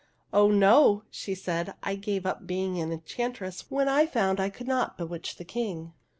" Oh no," she said ;" I gave up being an enchantress when I found I could not bewitch the King."